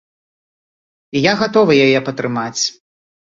І я гатовы яе падтрымаць.